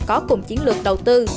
có cùng chiến lược đầu tư